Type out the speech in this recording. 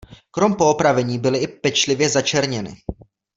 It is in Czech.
Krom poopravení byly i pečlivě začerněny.